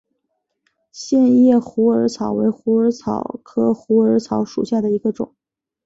线叶虎耳草为虎耳草科虎耳草属下的一个种。